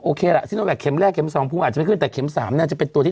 โอเคล่ะแข็มแรกแข็มสองพูมอาจจะไม่ขึ้นแต่แข็มสามน่าจะเป็นตัวที่